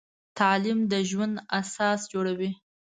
تعلیم د ژوند اساس جوړوي.